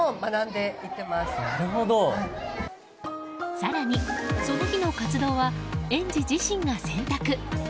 更に、その日の活動は園児自身が選択。